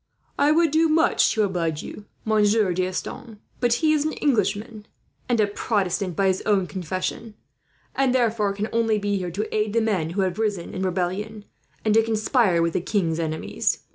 "I would do much to oblige you, Monsieur D'Estanges; but he is an Englishman and a Protestant, by his own confession, and therefore can only be here to aid the men who have risen in rebellion, and to conspire with the king's enemies.